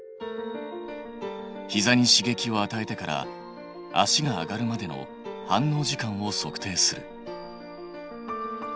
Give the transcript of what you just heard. ひざに刺激をあたえてから足が上がるまでの反応時間を測定する。